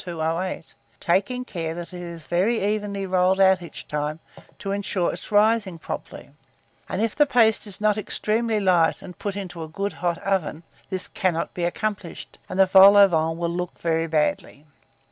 1208, taking care that it is very evenly rolled out each time, to insure its rising properly; and if the paste is not extremely light, and put into a good hot oven, this cannot be accomplished, and the vol au vent will look very badly.